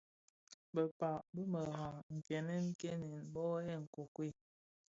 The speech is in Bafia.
Bekpag bi meraň nkènèn kènèn mböghèn nkokuei.